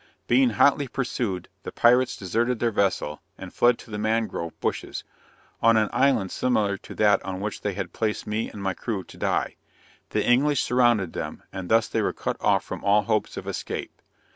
Being hotly pursued, the pirates deserted their vessel, and fled to the mangrove bushes, on an island similar to that on which they had placed me and my crew to die. The English surrounded them, and thus they were cut off from all hopes of escape.